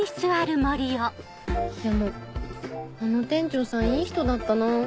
でもあの店長さんいい人だったな。